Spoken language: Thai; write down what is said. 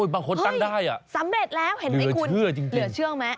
บางคนตั้งได้อ่ะเห็นไหมคุณเหลือเชื่อจริง